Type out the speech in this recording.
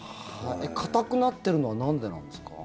硬くなってるのはなんでなんですか？